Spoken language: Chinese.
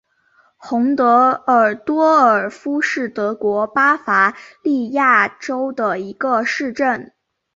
洪德尔多尔夫是德国巴伐利亚州的一个市镇。